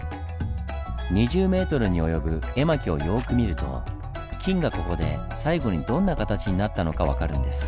２０ｍに及ぶ絵巻をよく見ると金がここで最後にどんな形になったのか分かるんです。